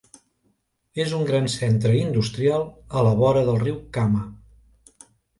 És un gran centre industrial a la vora del riu Kama.